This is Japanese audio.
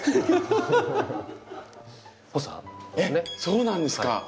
えっそうなんですか？